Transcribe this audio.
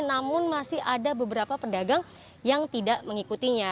namun masih ada beberapa pedagang yang tidak mengikutinya